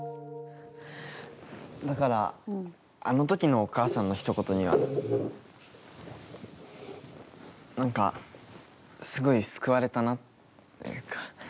だから、あのときのお母さんのひと言にはなんかすごい救われたなっていうか。